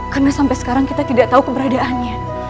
karena sampai sekarang kita tidak tahu keberadaannya